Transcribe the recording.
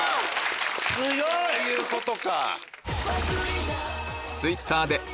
そういうことか！